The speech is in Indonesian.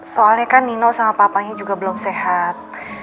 soalnya kan nino sama papanya juga belum sehat